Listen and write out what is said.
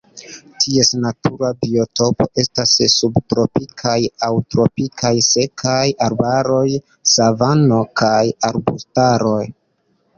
Ties natura biotopo estas subtropikaj aŭ tropikaj sekaj arbaroj, savano kaj arbustaro.